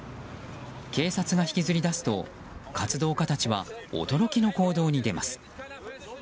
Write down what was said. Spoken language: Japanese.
警察が引きずり出すと活動家たちは驚きの行動に出ます。